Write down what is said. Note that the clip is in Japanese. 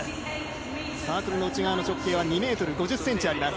サークルの内側の直径は２ｍ５０ｃｍあります。